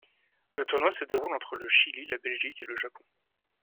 Le tournoi se déroule entre le Chili, la Belgique et le Japon.